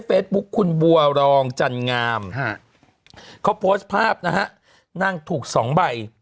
คุณบัวรองจันงามฮะเขาโพสต์ภาพนะฮะนางถูกสองใบ